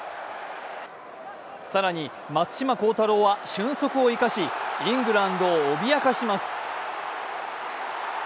更に松島幸太朗は俊足を生かしイングランドを脅かします。